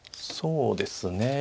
そうですね